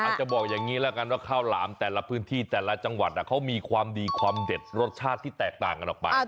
จะบอกอย่างนี้แล้วกันว่าข้าวหลามแต่ละพื้นที่แต่ละจังหวัดเขามีความดีความเด็ดรสชาติที่แตกต่างกันออกไป